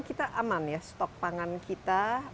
kita aman ya stok pangan kita